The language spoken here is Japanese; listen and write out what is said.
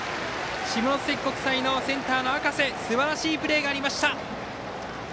下関国際のセンターの赤瀬すばらしいプレーがありました。